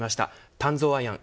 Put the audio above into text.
鍛造アイアン